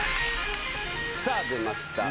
さぁ出ました。